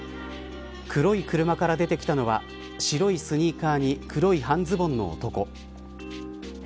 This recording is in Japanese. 黒い車から出てきたのは白いスニーカーに黒い半ズボンの男。